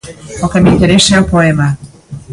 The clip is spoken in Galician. O que me interesa é o poema.